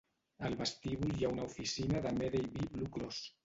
Al vestíbul hi ha una oficina de Medavie Blue Cross.